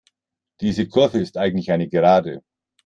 Diese Kurve ist eigentlich eine Gerade.